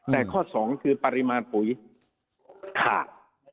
แต่ข้อ๒คือปริมาณปุ๋ยขาด